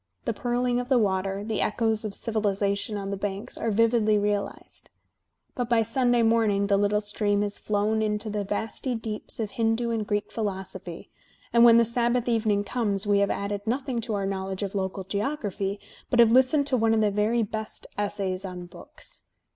The purling of the water, the echoes of civilization on the banks are vividly realized. But by Sunday morning the little stream has flowed ipto the vasty deeps of Hindoo and Greek phi losophy, and when the Sabbath evening comes we have added nothing to our knowledge of local geography but have listened to one of the very best essays on books.